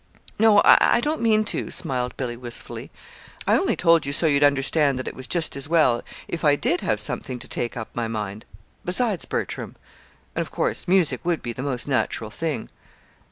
"No, I don't mean to," smiled Billy, wistfully. "I only told you so you'd understand that it was just as well if I did have something to take up my mind besides Bertram. And of course music would be the most natural thing."